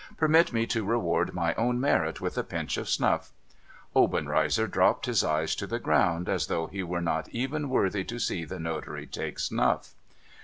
* Permit me to reward my own merit with a pinch of snuff !' i Obenrcizer dropped his eyes to the ground, as though he were not even worthy to see the notary take snuff.